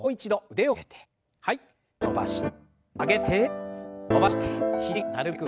曲げて伸ばして。